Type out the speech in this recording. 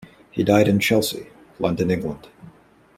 He died in Chelsea, London, England.